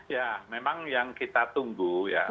ya memang yang kita tunggu ya